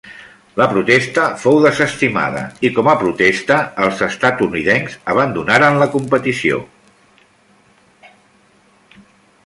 La protesta fou desestimada i com a protesta els estatunidencs abandonaren la competició.